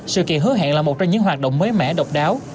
sự kiện hứa hẹn là một trong những hoạt động mới mẻ độc đáo